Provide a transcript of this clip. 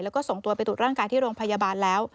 แล้วก็ส่งตัวไปตรวจร่างกายที่โรงพยาบาลแล้ว